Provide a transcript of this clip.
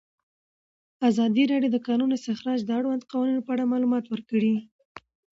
ازادي راډیو د د کانونو استخراج د اړونده قوانینو په اړه معلومات ورکړي.